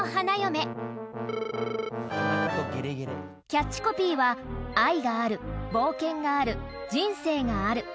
キャッチコピーは「愛がある、冒険がある人生がある」